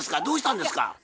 どうしたんですか？